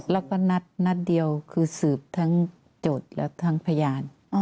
แล้วก็นัดเดียวคือสืบทั้งโจทย์และทั้งพยาน